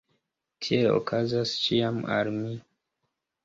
Tiel okazas ĉiam al mi.